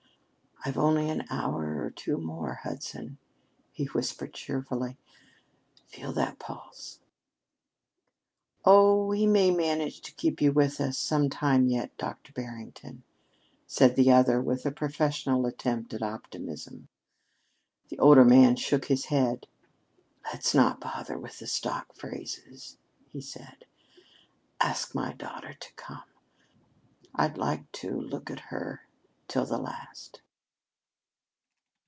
"I've only an hour or two more, Hudson," he whispered cheerfully. "Feel that pulse!" "Oh, we may manage to keep you with us some time yet, Dr. Barrington," said the other with a professional attempt at optimism. But the older man shook his head. "Let's not bother with the stock phrases," he said. "Ask my daughter to come. I'd like to look at her till the last."